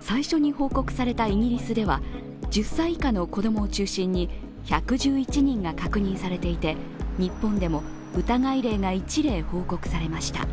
最初に報告されたイギリスでは１０歳以下の子供を中心に１１１人が確認されていて、日本でも疑い例が１例報告されました。